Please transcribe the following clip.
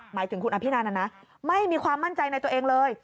หมายถึงคุณอภินันนะนะไม่มีความมั่นใจในตัวเองเลย